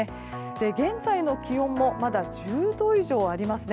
現在の気温もまだ１０度以上ありますね。